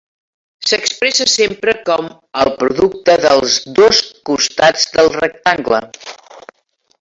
S'expressa sempre com el producte dels dos costats del rectangle.